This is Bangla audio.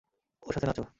ওর সাথে নাচো।